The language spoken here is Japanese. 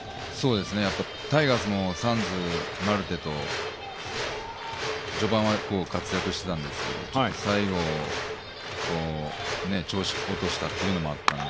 タイガースもサンズ、マルテと序盤は活躍していたんですけれども、最後、調子を落としたというのもあったんで。